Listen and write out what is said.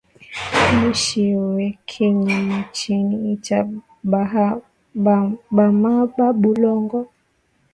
Mushi weke nyama chini ita bamaba bulongo